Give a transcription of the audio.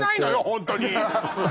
ホントに。